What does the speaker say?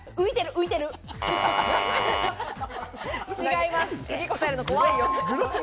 違います。